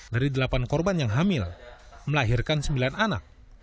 dari delapan korban yang hamil melahirkan sembilan anak